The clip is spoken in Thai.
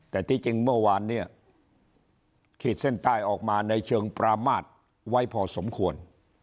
แต่ที่จริงเมื่อวานเนี่ยขีดเส้นใต้ออกมาในเชิงประมาทไว้พอสมควร